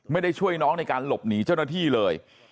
ไม่ได้ช่วยน้องในการหลบหนีเจ้าหน้าที่เลย